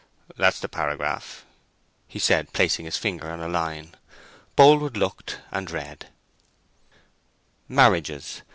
"That's the paragraph," he said, placing his finger on a line. Boldwood looked and read— MARRIAGES.